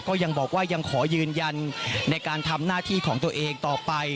ก็ยังบอกว่ายังขอยืนยันในการทำหน้าที่ของตัวเองต่อไป